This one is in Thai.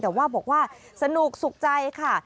แต่ว่าบอกว่าสนุกสุขใจค่ะ